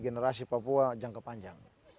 generasi papua jangka panjang